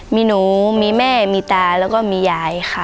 มีหนูมีแม่มีตาและมียาย